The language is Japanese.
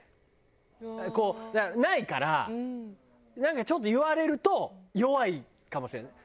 ないからなんかちょっと言われると弱いかもしれない。